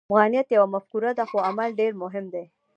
افغانیت یوه مفکوره ده، خو عمل ډېر مهم دی.